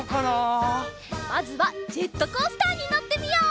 まずはジェットコースターにのってみよう！